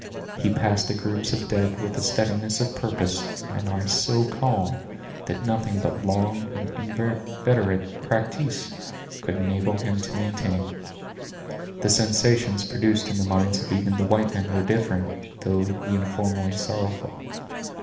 He passed the groups of dead with a steadiness of purpose, and an eye so calm, that nothing but long and inveterate practise could enable him to maintain. The sensations produced in the minds of even the white men were different, though uniformly sorrowful.